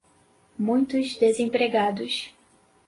muitos desempregados